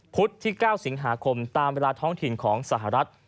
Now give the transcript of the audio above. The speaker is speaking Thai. ที่๙สิงหาคมตามเวลาท้องถิ่นของสหรัฐ